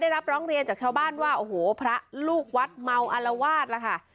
พอได้รับร้องเรียนจากชาวบ้านว่าโอ้โหพระลูกวัดอลาวาสค่ะ